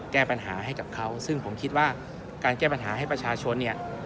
แก้ปัญหาให้กับเขาซึ่งผมคิดว่าการแก้ปัญหาให้ประชาชนเนี่ย